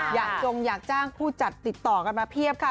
จงอยากจ้างผู้จัดติดต่อกันมาเพียบค่ะ